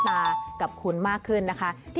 โอเคโอเคโอเคโอเค